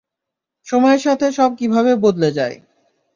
সময়ের সাথে সব কীভাবে বদলে যায়।